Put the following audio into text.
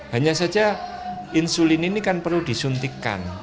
hanya saja insulin ini kan perlu disuntikkan